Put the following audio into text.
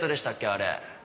あれ。